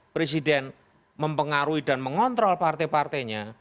presiden mempengaruhi dan mengontrol partai partainya